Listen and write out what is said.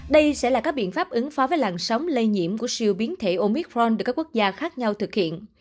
đây sẽ là các biện pháp ứng phó với làn sóng lây nhiễm của siêu biến thể omitron được các quốc gia khác nhau thực hiện